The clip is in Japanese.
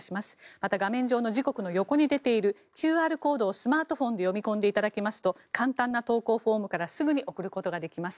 また、画面上の時刻の横に出ているＱＲコードをスマートフォンで読み込んでいただきますと簡単な投稿フォームからすぐに送ることができます。